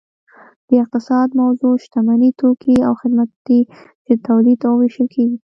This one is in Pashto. د اقتصاد موضوع شتمني توکي او خدمات دي چې تولید او ویشل کیږي